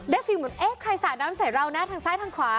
ฟิลเหมือนเอ๊ะใครสาดน้ำใส่เรานะทางซ้ายทางขวา